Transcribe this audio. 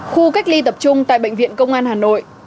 khu cách ly tập trung tại bệnh viện công an hà nội